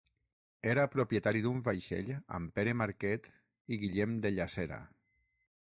Era propietari d'un vaixell amb Pere Marquet i Guillem de Llacera.